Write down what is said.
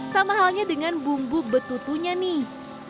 sama halnya dengan bumbu betutunya nih